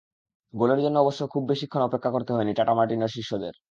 গোলের জন্য অবশ্য খুব বেশিক্ষণ অপেক্ষা করতে হয়নি টাটা মার্টিনোর শিষ্যদের।